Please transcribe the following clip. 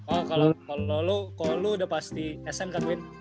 oh kalo lu udah pasti sm kan win